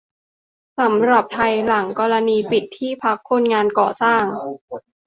สำหรับไทย หลังกรณีปิดที่พักคนงานก่อสร้าง